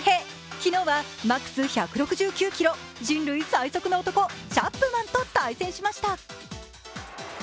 昨日はマックス１６９キロ、人類最速の男・チャップマンと対戦しました。